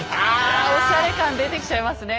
おしゃれ感出てきちゃいますね。